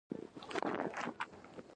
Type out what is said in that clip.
نن همدغه وحدت د نظام ستن ګڼل کېږي.